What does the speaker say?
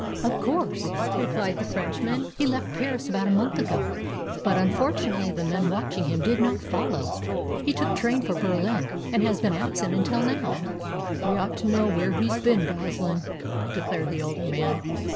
"Of course," replied the Frenchman. "He left Paris about a month ago, but unfortunately the men watching him did not follow. He took train for Berlin, and has been absent until now." "We ought to know where he's been, Goslin," declared the elder man.